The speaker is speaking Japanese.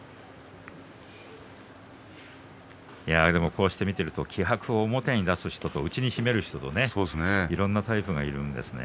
こうして見てると気迫を表に出す人と内に秘める人いろんなタイプがいるんですね。